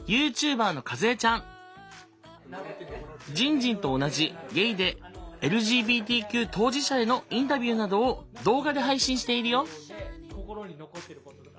じんじんと同じゲイでＬＧＢＴＱ当事者へのインタビューなどを動画で配信しているよ。